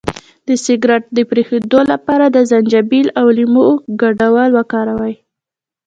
د سګرټ د پرېښودو لپاره د زنجبیل او لیمو ګډول وکاروئ